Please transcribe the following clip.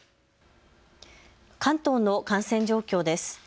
関東の感染状況です。